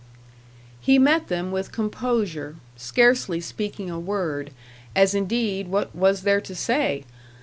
He met them with composure; scarcely speaking a word, as indeed what was there to say?